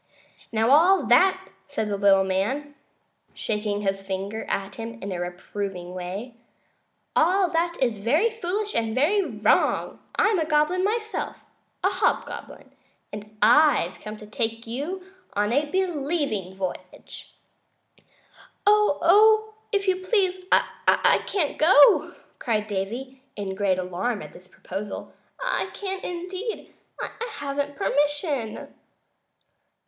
"Now, all that," said the little man, shaking his finger at him in a reproving way, "all that is very foolish and very wrong. I'm a goblin myself, a hobgoblin, and I've come to take you on a Believing Voyage." "Oh, if you please, I can't go!" cried Davy, in great alarm at this proposal; "I can't, indeed. I haven't permission."